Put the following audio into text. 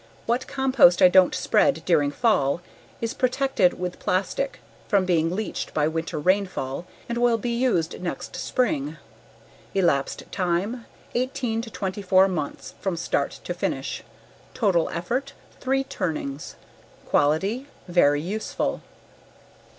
What compost I don't spread during fall is protected with plastic from being leached by winter rainfall and will be used next spring. Elapsed time: 18 24 months from start to finish. Total effort: three turnings. Quality: very useful.